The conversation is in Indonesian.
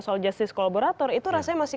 soal justice kolaborator itu rasanya masih